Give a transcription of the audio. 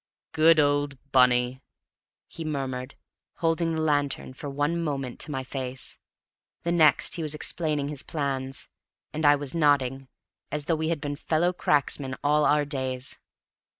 "Good old Bunny," he murmured, holding the lantern for one moment to my face; the next he was explaining his plans, and I was nodding, as though we had been fellow cracksmen all our days.